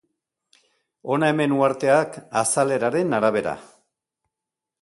Hona hemen uharteak, azaleraren arabera.